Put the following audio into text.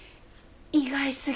意外すぎて。